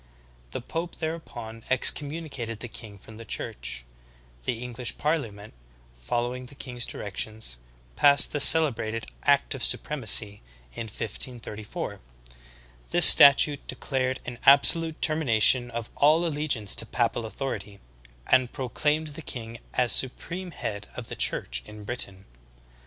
The pope thereupon ex communicated the king from the Church. The EngMsh parli ament, following the king's directions, passed the celebrated Act of Supremacy in 1534. This statute declared an abso lute termination of all allegiance to papal authority, and pro claimed the king as supreme head of the Church in Britain.